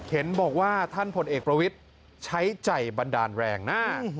เห็นบอกว่าท่านผลเอกประวิทย์ใช้ใจบันดาลแรงนะ